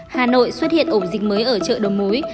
hà nội xuất hiện ổ dịch mới ở chợ đầu mối